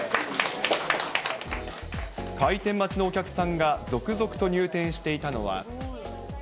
開店待ちのお客さんが続々と入店していたのは。